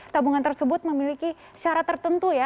tabungan tersebut memiliki syarat tertentu ya